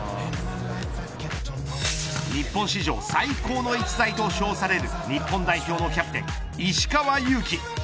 日本史上最高の逸材と称される日本代表のキャプテン石川祐希。